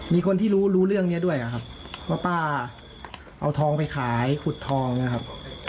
มีคนที่รู้รู้เรื่องนี้ด้วยครับว่าป้าเอาทองไปขายขุดทองนะครับ